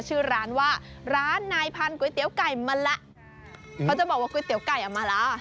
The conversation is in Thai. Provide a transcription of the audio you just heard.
ชื่อร้านว่าร้านนายพันก๋วยเตี๋ยวไก่มาละเขาจะบอกว่าก๋วยเตี๋ยวไก่อ่ะมาละ